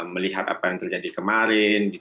melihat apa yang terjadi kemarin